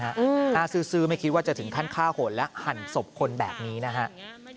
หน้าซื้อไม่คิดว่าจะถึงท่านฆ่าห่วนและหั่นศพคนแบบนี้นะครับ